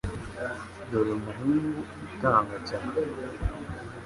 Dore umuhungu utanga cyane,